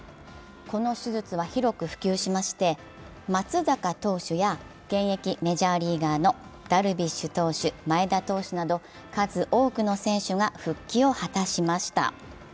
この手術は広く普及しまして、松坂投手や現役メジャーリーガーのダルビッシュ投手、前田投手など数多くの選手が復帰を果たしました。